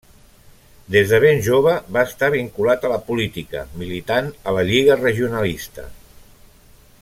Des de ben jove va estar vinculat a la política, militant a la Lliga Regionalista.